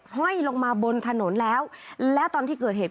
ห้อยลงมาบนถนนแล้วและตอนที่เกิดเหตุ